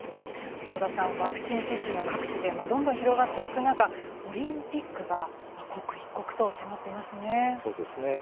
太田さん、ワクチン接種が各地でどんどん広がっていく中オリンピックが刻一刻と迫っていますね。